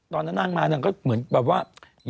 ตอนนั้นนางมานางก็เหมือนแบบว่า